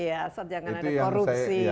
asal jangan ada korupsi